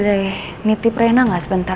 elsa aku boleh nitip reina gak sebentar